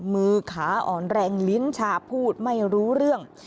มือขาอ่อนแรงลิ้นชาพูดไม่รู้เรื่อง